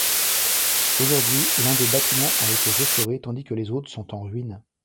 Aujourd'hui, l'un des bâtiments a été restauré tandis que les autres sont en ruine.